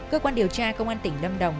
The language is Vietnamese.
cơ quan điều tra công an tỉnh lâm đồng